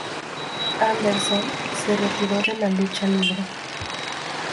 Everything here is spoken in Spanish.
Anderson, se retiró de la lucha libre.